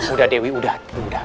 udah dewi udah